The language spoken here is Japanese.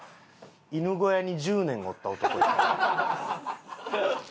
犬小屋に１０年おった男やん。